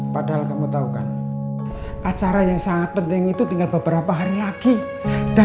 padahal kamu tahu kan acara yang sangat penting itu tinggal beberapa hari lagi dan